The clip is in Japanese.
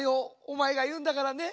おまえがいうんだからね。